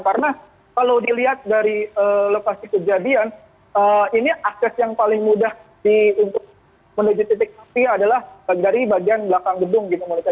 karena kalau dilihat dari lokasi kejadian ini akses yang paling mudah untuk menuju titik api adalah dari bagian belakang gedung gitu monika